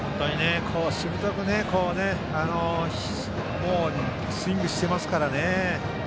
本当にしぶとくスイングしてますからね。